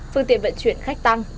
phương tiện vận chuyển khách tăng